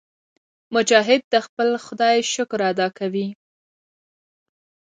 مجاهد د خپل خدای شکر ادا کوي.